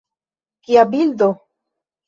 Kia bildo!